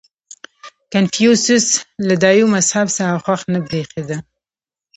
• کنفوسیوس له دایو مذهب څخه خوښ نه برېښېده.